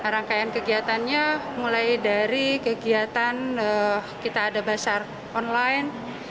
rangkaian kegiatannya mulai dari kegiatan kita ada basar online